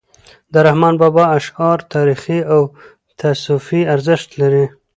د رحمان بابا اشعار تاریخي او تصوفي ارزښت لري .